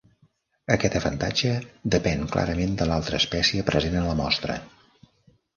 Aquest avantatge depèn clarament de l'altra espècie present a la mostra.